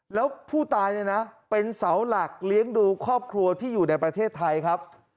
แล้วผู้ตายเนี่ยนะเป็นเสาหลักเลี้ยงดูครอบครัวที่อยู่ในประเทศไทยครับ